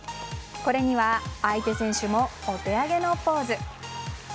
これには相手選手もお手上げのポーズ。